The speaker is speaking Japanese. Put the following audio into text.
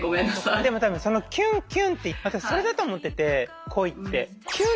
でも多分その「キュンキュン」って私それだと思ってて恋って。